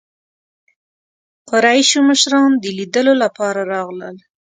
قریشو مشران د لیدلو لپاره راغلل.